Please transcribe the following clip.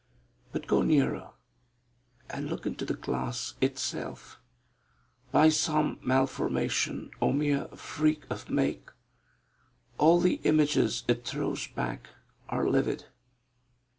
But go nearer and look into the glass itself. By some malformation or mere freak of make, all the images it throws back are livid.